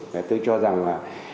tôi cho rằng là